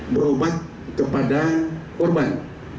merupakan kepada korban